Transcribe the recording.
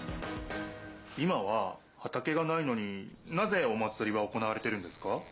今ははたけがないのになぜお祭りは行われてるんですか？